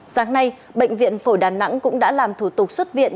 sáng nay bệnh viện phổi đà nẵng cũng đã làm thủ tục xuất viện